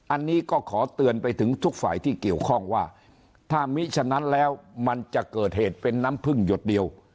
อันนี้ก็ขอเตือนไปถึงทุกฝ่ายที่เกี่ยวข้องว่าถ้ามิฉะนั้นแล้วมันจะเกิดเหตุเป็นน้ำพึ่งหยดเดียว